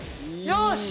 よし！